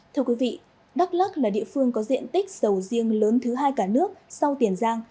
thưa quý vị đắk lắc là địa phương có diện tích sầu riêng lớn thứ hai cả nước sau tiền giang